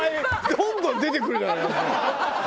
どんどん出てくるじゃない。